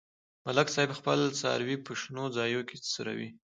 ملک صاحب خپل څاروي په شنو ځایونو څرومي.